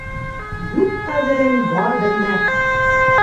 Юҡ ҡәҙерен бар белмәҫ